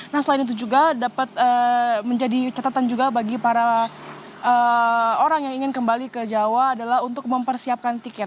nah selain itu juga dapat menjadi catatan juga bagi para orang yang ingin kembali ke jawa adalah untuk mempersiapkan tiket